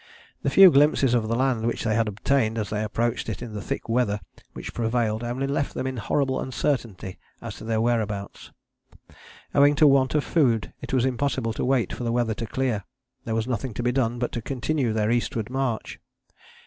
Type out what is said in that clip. The few glimpses of the land which they obtained as they approached it in the thick weather which prevailed only left them in horrible uncertainty as to their whereabouts. Owing to want of food it was impossible to wait for the weather to clear: there was nothing to be done but to continue their eastward march.